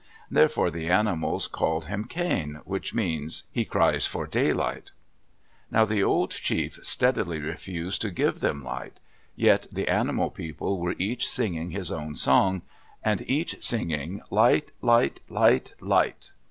Therefore the animals call him Khain, which means, "He cries for daylight." Now the old chief steadily refused to give them light. Yet the animal people were each singing his own song, and each singing, Light, light, light, light!